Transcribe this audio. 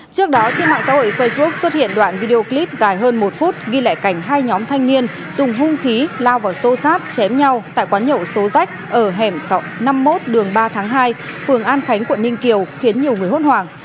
trước đó trên mạng xã hội facebook xuất hiện đoạn video clip dài hơn một phút ghi lại cảnh hai nhóm thanh niên dùng hung khí lao vào xô xát chém nhau tại quán nhậu số rách ở hẻm năm mươi một đường ba tháng hai phường an khánh quận ninh kiều khiến nhiều người hốt hoảng